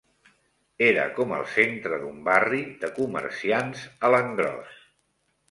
Era com el centre d'un barri de comerciants a l'engròs.